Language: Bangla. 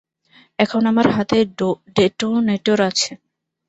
এখন আমার হাতে ডেটোনেটর আছে।